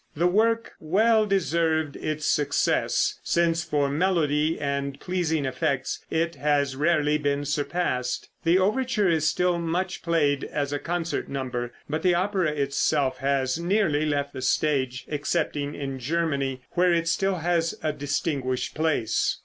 The work well deserved its success, since for melody and pleasing effects it has rarely been surpassed. The overture is still much played as a concert number, but the opera itself has nearly left the stage, excepting in Germany, where it still has a distinguished place.